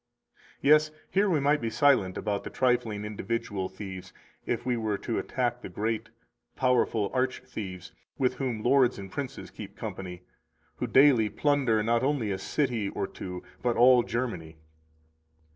230 Yes, here we might be silent about the trifling individual thieves if we were to attack the great, powerful arch thieves with whom lords and princes keep company, who daily plunder not only a city or two, but all Germany.